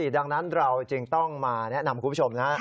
ดังนั้นเราจึงต้องมาแนะนำคุณผู้ชมนะ